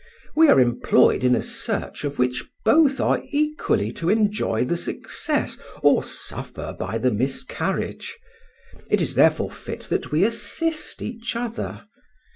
We are employed in a search of which both are equally to enjoy the success or suffer by the miscarriage; it is therefore fit that we assist each other.